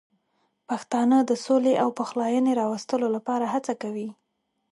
پښتانه د سولې او پخلاینې راوستلو لپاره هڅه کوي.